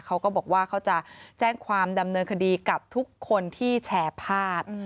เขาก็บอกว่าเขาจะแจ้งความดำเนินคดีกับทุกคนที่แชร์ภาพ